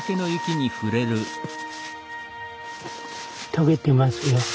解けてますよ。